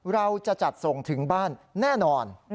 เราจะจัดส่งถึงบ้านแน่นอน